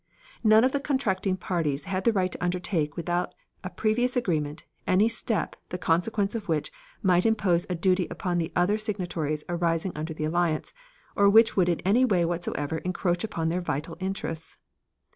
None of the contracting parties had the right to undertake without a previous agreement any step the consequence of which might impose a duty upon the other signatories arising under the alliance, or which would in any way whatsoever encroach upon their vital interests.